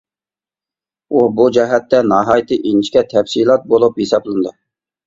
ئۇ بۇ جەھەتتە ناھايىتى ئىنچىكە تەپسىلات بولۇپ ھېسابلىنىدۇ.